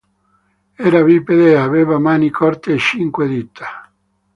Era bipede e aveva mani corte a cinque dita.